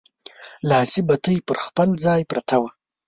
لاسي بتۍ پر خپل ځای پرته وه.